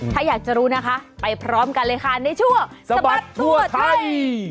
ถ้าอยากจะรู้นะคะไปพร้อมกันเลยค่ะในช่วงสะบัดทั่วไทย